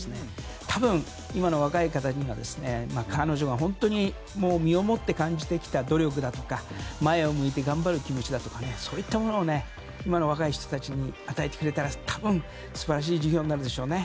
多分、今の若い方には彼女が本当に身をもって感じてきた努力だとか前を向いて頑張る気持ちだとかそういったものを今の若い人たちに与えてくれたら多分、素晴らしい授業になるでしょうね。